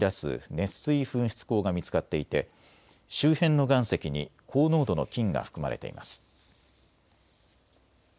熱水噴出孔が見つかっていて周辺の岩石に高濃度の金が含まれています。